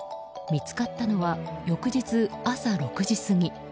見つかったのは翌日朝６時過ぎ。